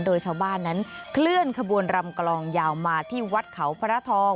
โดยชาวบ้านนั้นเคลื่อนขบวนรำกลองยาวมาที่วัดเขาพระทอง